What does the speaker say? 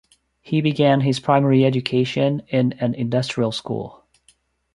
He began his primary education in an industrial school.